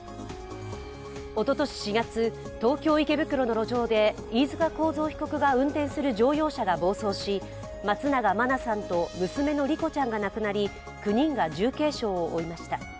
おととし４月、東京・池袋の路上で飯塚幸三被告が運転する乗用車が暴走し松永真菜さんと娘の莉子ちゃんが亡くなり、９人が重軽傷を負いました。